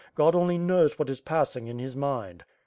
God only knows what is passing in his mind."